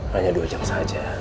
hanya dua jam saja